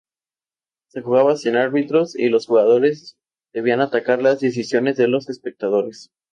Se jugaba sin árbitros y los jugadores debían acatar las decisiones de los espectadores.